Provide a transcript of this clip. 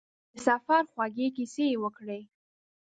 د سفر خوږې کیسې یې وکړې.